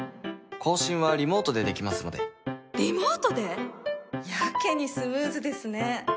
更新はリモートでできますのでリモートで！？やけにスムーズですね！？